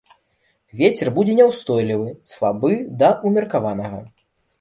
Вецер будзе няўстойлівы, слабы да ўмеркаванага.